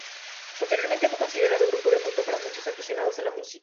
Posteriormente, fue considerado grupo de culto para muchos aficionados a la música.